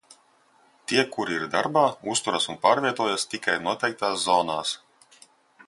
Tie, kuri ir darbā, uzturas un pārvietojas tikai noteiktās zonās.